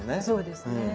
そうですね。